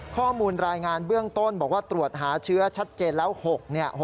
ข้อมูลรายงานเบื้องต้นบอกว่าตรวจหาเชื้อชัดเจนแล้ว๖เนี่ย